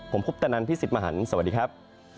ผมคุปตะนันพี่สิทธิ์มหันฯสวัสดีครับ